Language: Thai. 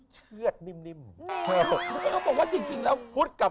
เสพสวมจนซมซาน